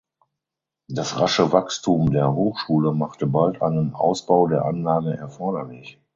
Das rasche Wachstum der Hochschule machte bald einen Ausbau der Anlage erforderlich.